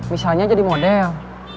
misalnya jadi model